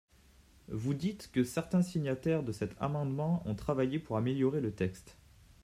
Vous dites que certains signataires de cet amendement ont travaillé pour améliorer le texte.